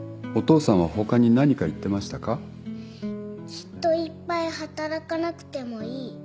きっといっぱい働かなくてもいい。